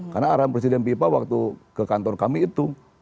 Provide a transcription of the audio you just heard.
karena arahan presiden vipa waktu ke kantor kami itu